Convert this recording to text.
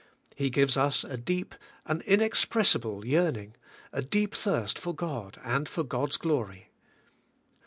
He gives us a deep, an inexpressible yearning, a deep thirst for God and for God's glory.